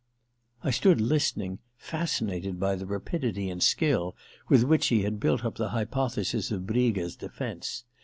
I stood listening, fascinated by the rapidity and skill with which she had built up the hypothesis of Briga's defence.